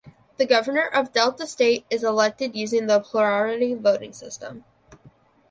The Governor of Delta State is elected using the plurality voting system.